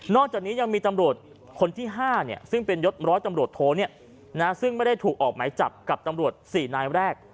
จากนี้ยังมีตำรวจคนที่๕ซึ่งเป็นยศร้อยตำรวจโทซึ่งไม่ได้ถูกออกหมายจับกับตำรวจ๔นายแรก